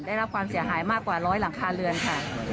ได้รับความเสียหายมากกว่าร้อยหลังคาเรือนค่ะ